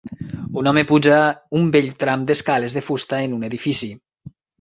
Un home puja un vell tram d'escales de fusta en un edifici.